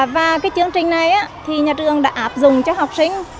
và cái chương trình này thì nhà trường đã áp dụng cho học sinh